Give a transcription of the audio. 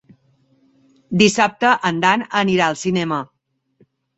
Dissabte en Dan anirà al cinema.